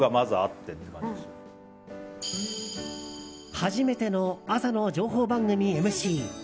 初めての朝の情報番組ＭＣ。